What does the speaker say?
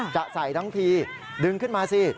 จะใส่ทั้งทีดึงขึ้นมาสิ